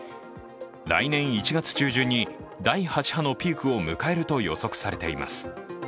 来年１月中旬に第８波のピークを迎えると予測されています。